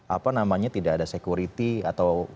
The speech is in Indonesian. apa namanya tidak ada security atau